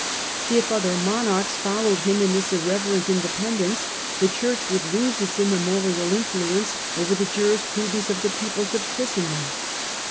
If other monarchs followed him in this irreverent independence, the Church would lose its immemorial influence over the jurisprudence of the peoples of Christendom.